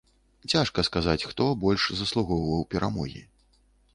Цяжка сказаць, хто больш заслугоўваў перамогі.